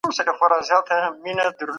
که په لیکنه کې ټکي نه وي نو مانا یې بدلیږي.